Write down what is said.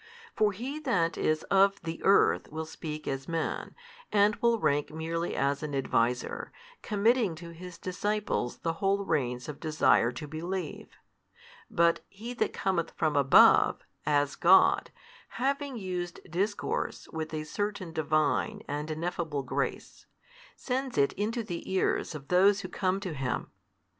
For he that |188 is of the earth will speak as man, and will rank merely as an adviser, committing to his disciples the whole reins of desire to believe: but He That cometh from above, as God, having used discourse with a certain Divine and ineffable grace, sends it into the ears of those who come to Him.